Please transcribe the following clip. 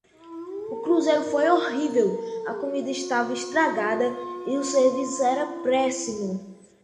O cruzeiro foi horrível, a comida estava estragada e o serviço era péssimo.